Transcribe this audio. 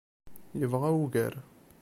Yebɣa ugar.